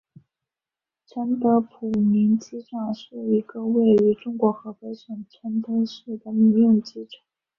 承德普宁机场是一个位于中国河北省承德市的民用机场。